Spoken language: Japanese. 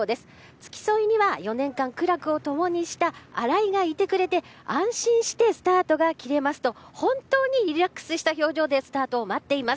付き添いには４年間苦楽を共にしたアライがいてくれて安心してスタートが切れますと本当にリラックスした表情でスタートを待っています。